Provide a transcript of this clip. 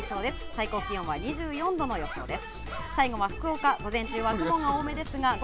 最高気温は２４度の予想です。